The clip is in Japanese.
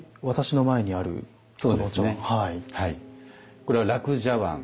これは樂茶碗。